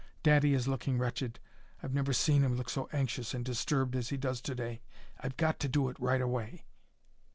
Daddy is looking wretched I've never seen him look so anxious and disturbed as he does to day. I've got to do it, right away."